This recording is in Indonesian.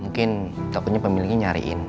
mungkin bisa di miliki nyariin